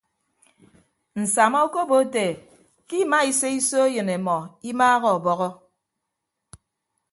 Nsama okobo ete ke ima ise iso eyịn emọ imaaha ọbọhọ.